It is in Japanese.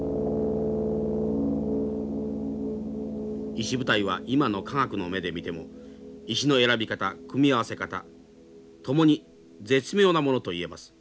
石舞台は今の科学の目で見ても石の選び方組み合わせ方ともに絶妙なものといえます。